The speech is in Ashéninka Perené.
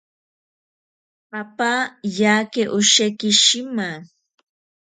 Apa yake osheki shima.